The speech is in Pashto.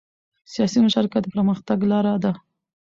سیاسي مشارکت د پرمختګ لاره ده